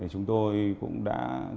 chúng tôi cũng đã